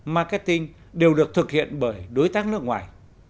marketing đều được thực hiện bởi đối tác nước ngoài